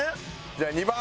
じゃあ２番。